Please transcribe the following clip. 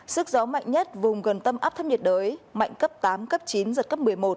sức gió mạnh nhất vùng gần tâm áp thấp nhiệt đới mạnh cấp tám cấp chín giật cấp một mươi một